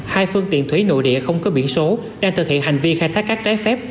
hai phương tiện thủy nội địa không có biển số đang thực hiện hành vi khai thác cát trái phép